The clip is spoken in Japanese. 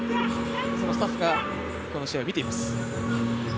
そのスタッフがこの試合を見ています。